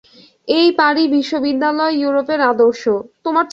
এই পারি বিশ্ববিদ্যালয় ইউরোপের আদর্শ।